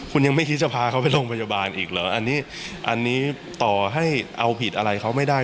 คุณยังไม่คิดจะพาเขาไปโรงพยาบาลอีกเหรออันนี้อันนี้ต่อให้เอาผิดอะไรเขาไม่ได้